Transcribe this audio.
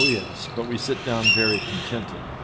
yes. But we sit down very contented.